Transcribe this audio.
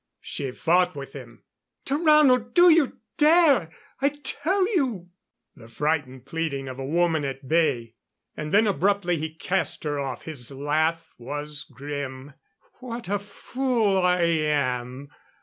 She fought with him. "Tarrano, do you dare I tell you " The frightened pleading of a woman at bay. And then abruptly he cast her off. His laugh was grim. "What a fool I am!